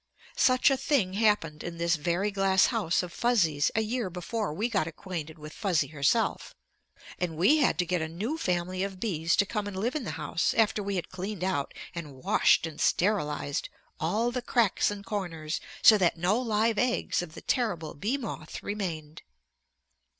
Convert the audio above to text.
Such a thing happened in this very glass house of Fuzzy's a year before we got acquainted with Fuzzy herself. And we had to get a new family of bees to come and live in the house after we had cleaned out and washed and sterilized all the cracks and corners so that no live eggs of the terrible bee moth remained.